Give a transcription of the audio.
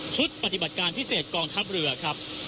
ชุดปฏิบัติการพิเศษกองทัพเรือครับ